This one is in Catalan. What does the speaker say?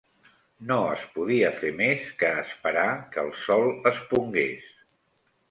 No es podia fer més que esperar que el sol es pongués